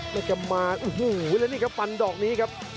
และกำมาอู้วอย่างนี้ครับปันดอกนี้ครับ